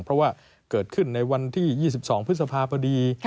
เพราะว่าเกิดขึ้นในวันที่๒๒พฤษภาพอดี